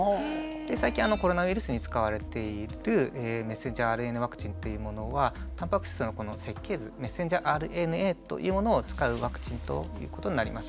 最近コロナウイルスに使われているｍＲＮＡワクチンというものはたんぱく質の設計図ｍＲＮＡというものを使うワクチンということになります。